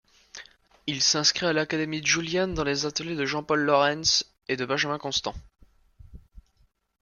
Il s'inscrit à l'Académie Julian dans les ateliers de Jean-Paul Laurens et de Benjamin-Constant.